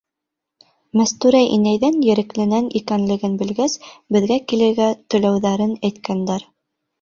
Мәстүрә инәйҙең Ерекленән икәнлеген белгәс, беҙгә килергә теләүҙәрен әйткәндәр.